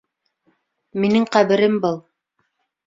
Минең ҡәберем был.